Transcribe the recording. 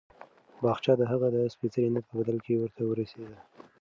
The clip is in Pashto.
باغچه د هغه د سپېڅلي نیت په بدل کې ورته ورسېده.